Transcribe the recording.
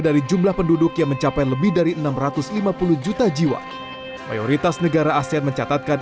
dari jumlah penduduk yang mencapai lebih dari enam ratus lima puluh juta jiwa mayoritas negara asean mencatatkan